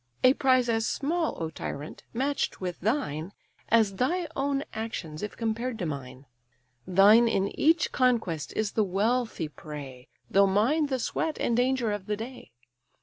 A prize as small, O tyrant! match'd with thine, As thy own actions if compared to mine. Thine in each conquest is the wealthy prey, Though mine the sweat and danger of the day.